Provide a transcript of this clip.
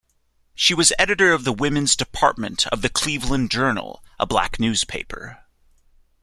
She was editor of the women's department of the "Cleveland Journal", a black newspaper.